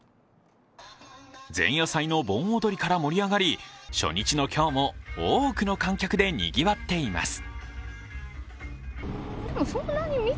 前夜祭の盆踊りから盛り上がり、初日の今日も多くの観客でにぎわっています。